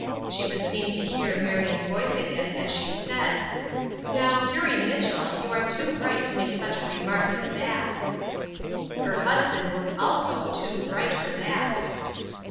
She could seem to hear Marion's voice again as she said, —" Now, Eurie Mitchell, you are too bright to make such a remark as that." Her husband was also " too bright " for that.